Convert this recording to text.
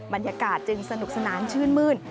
บรรยากาศจึงสนุกสนานชื่นมื้น